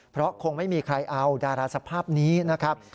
เพราะคงไม่มีใครเอาดาราสภาพนี้นะครับ